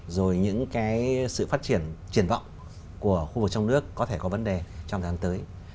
rồi những cái sự phát triển triển vọng của khu vực trong nước có thể có vấn đề trong tháng tới